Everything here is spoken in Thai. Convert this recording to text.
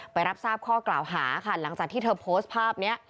ไปรับทราบข้อกล่าวหาค่ะหลังจากที่เธอโพสต์ภาพนี้